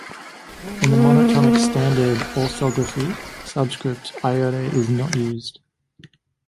In the monotonic standard orthography, subscript iota is not used.